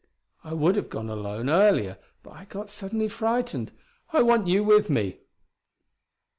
I would have gone alone, earlier; but I got suddenly frightened; I want you with me."